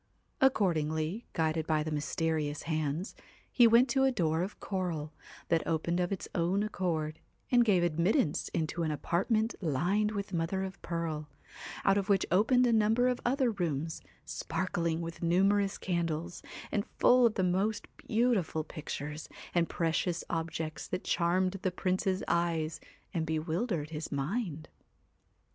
Accordingly, guided by the WHITE mysterious hands, he went to a door of coral, that CAT opened of its own accord, and gave admittance into an apartment lined with mother of pearl, out of which opened a number of other rooms, spark ling with numerous candles, and full of the most beautiful pictures and precious objects that charmed the Prince's eyes and bewildered his mind.